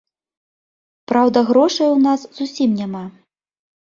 Праўда, грошай у нас зусім няма.